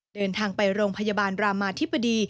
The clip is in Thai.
เดินทางไปโรงพยาบาลรามาธิบดี